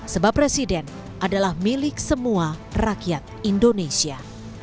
sebab presiden adalah milik semua rakyat indonesia